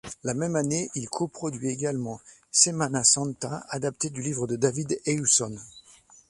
La même année, il coproduit également Semana Santa, adapté du livre de David Hewson.